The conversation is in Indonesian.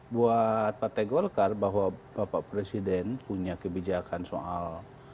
buat partai golkar bahwa bapak presiden punya kebijakan soal